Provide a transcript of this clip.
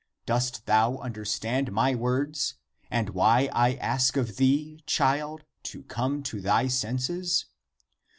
Dost thou un derstand my words and why I ask of thee, child, to come to thy senses?